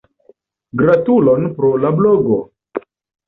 Gratulon pro la blogo.